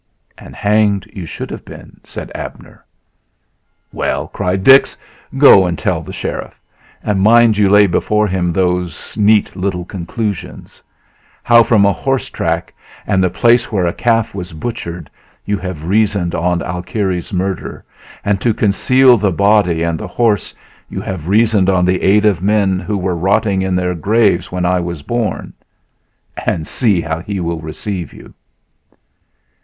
"And hanged you should have been," said Abner. "Well," cried Dix, "go and tell the sheriff, and mind you lay before him those little, neat conclusions: How from a horse track and the place where a calf was butchered you have reasoned on Alkire's murder, and to conceal the body and the horse you have reasoned on the aid of men who were rotting in their graves when I was born; and see how he will receive you!"